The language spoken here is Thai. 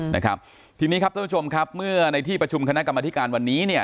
นะครับทีนี้ครับท่านผู้ชมครับเมื่อในที่ประชุมคณะกรรมธิการวันนี้เนี่ย